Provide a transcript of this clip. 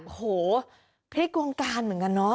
โอ้โหพลิกวงการเหมือนกันเนาะ